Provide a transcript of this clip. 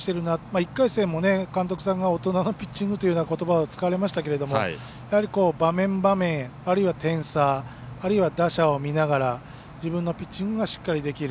１回戦も監督さんが大人のピッチングということばを使われましたけどやはり場面、場面あるいは点差あるいは打者を見ながら自分のピッチングがしっかりできる。